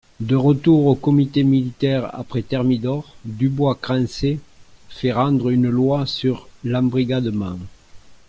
De retour au Comité militaire après thermidor, Dubois-Crancé fait rendre une loi sur l'embrigadement.